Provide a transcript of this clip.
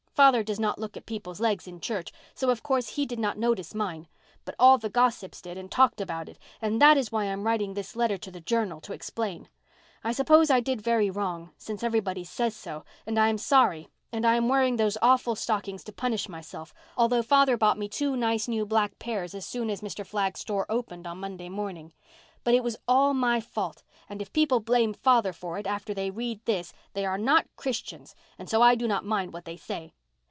Father does not look at people's legs in church, so of course he did not notice mine, but all the gossips did and talked about it, and that is why I am writing this letter to the Journal to explain. I suppose I did very wrong, since everybody says so, and I am sorry and I am wearing those awful stockings to punish myself, although father bought me two nice new black pairs as soon as Mr. Flagg's store opened on Monday morning. But it was all my fault, and if people blame father for it after they read this they are not Christians and so I do not mind what they say.